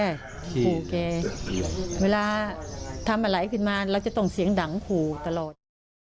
ปู่แกเวลาทำอะไรขึ้นมาเราจะต้องเสียงดังขู่ตลอด